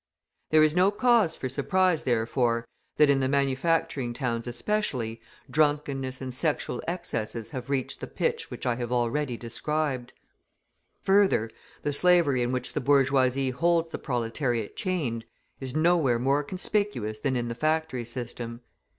There is no cause for surprise, therefore, that in the manufacturing towns especially, drunkenness and sexual excesses have reached the pitch which I have already described. Further, the slavery in which the bourgeoisie holds the proletariat chained, is nowhere more conspicuous than in the factory system.